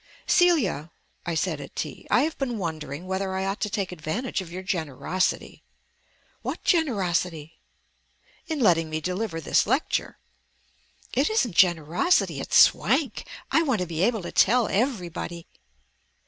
"Celia," I said at tea, "I have been wondering whether I ought to take advantage of your generosity." "What generosity?" "In letting me deliver this lecture." "It isn't generosity, it's swank. I want to be able to tell everybody."